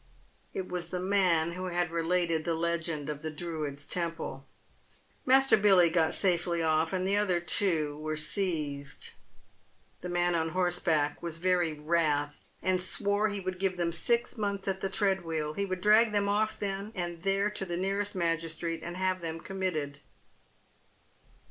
It was the man who had related the legend of the Druids' temple. Master Billy got safely off, and the other two were seized. The man on horseback was very wrath, and swore he would give them six months at the tread wheel. He would drag them off then and there to the nearest magistrate, and have them committed.